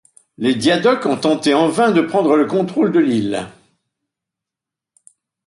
Les Diadoques ont tenté en vain de prendre le contrôle de l'île.